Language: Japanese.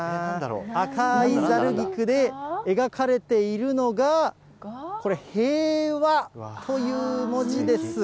赤いざる菊で、描かれているのが、これ、平和という文字です。